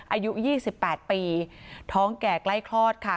อายุ๒๘ปีท้องแก่ใกล้คลอดค่ะ